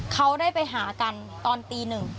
เขาได้ไปหากันตอนตีหนึ่ง